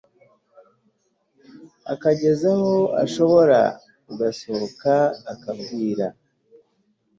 akageza aho asohokera agasohoka akabwira